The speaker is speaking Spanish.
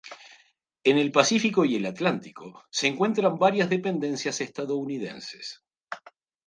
En el Pacífico y el Atlántico se encuentran varias dependencias estadounidenses.